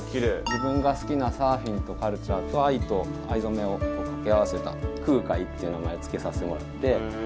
自分が好きなサーフィンとカルチャーと藍と藍染めを掛け合わせた空海っていう名前を付けさせてもらって。